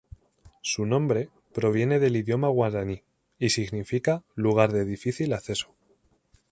Su nombre proviene del idioma guaraní y significa "Lugar de difícil acceso".